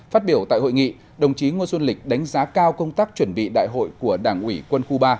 phát biểu tại hội nghị đồng chí ngô xuân lịch đánh giá cao công tác chuẩn bị đại hội của đảng ủy quân khu ba